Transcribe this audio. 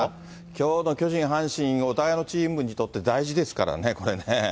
きょうの巨人・阪神、お互いのチームにとって大事ですからね、これね。